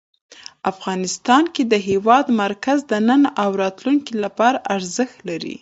افغانستان کې د هېواد مرکز د نن او راتلونکي لپاره ارزښت لري.